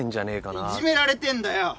いじめられてんだよ！